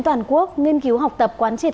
toàn quốc nghiên cứu học tập quán triệt